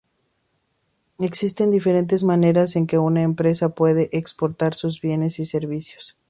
Existen diferentes maneras en que una empresa puede exportar sus bienes y servicios.